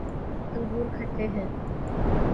انگور کھٹے ہیں